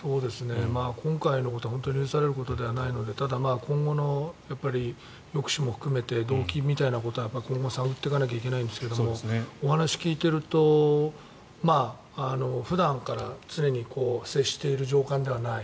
今回のは本当に許されることではないのでただ、今後の抑止も含めて動機みたいなことは今後、探っていかなきゃいけないんですけどお話を聞いていると普段から常に接している上官ではない。